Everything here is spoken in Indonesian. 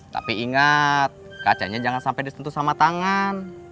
tapi ingat kacanya jangan sampai disentuh sama tangan